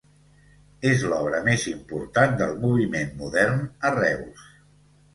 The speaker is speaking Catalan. És l'obra més important del moviment modern a Reus.